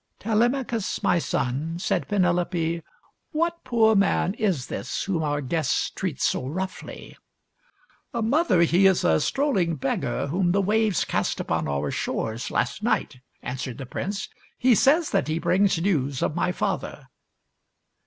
" Telemachus, my son," said Penelope, " what poor man is this whom our guests treat so roughly .?"" Mother, he is a strolling beggar whom the "waves cast upon our shores last night," answered the prince. " He says that he brings news of my father."